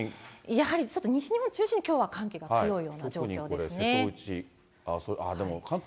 やはりちょっと西日本中心にきょうは寒気が強いような状況で瀬戸内、でも、関東